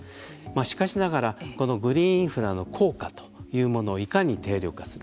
しかしながら、このグリーンインフラの効果というものをいかに定量化する。